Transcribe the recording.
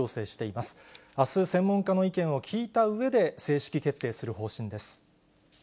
あす、専門家の意見を聞いたうえで正式決定する方針です。